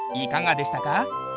いかがでしたか？